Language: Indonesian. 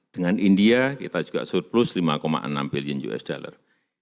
dengan india kita juga surplus lima enam billion usd